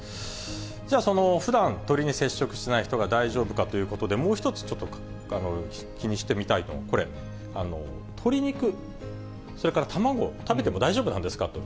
じゃあふだん鳥に接触しない人が大丈夫かということで、もう１つ、ちょっと気にしてみたいと、これ、鶏肉、それから卵、食べても大丈夫なんですかと。